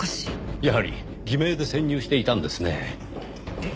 やはり偽名で潜入していたんですね。